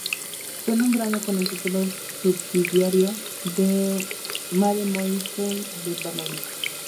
Fue nombrada con el título subsidiario de "Mademoiselle de Valois".